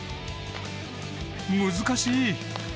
難しい！